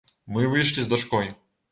Мы выйшлі з дачкой.